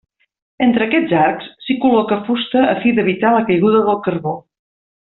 Entre aquests arcs s'hi col·loca fusta a fi d'evitar la caiguda del carbó.